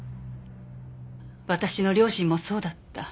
私の両親もそうだった。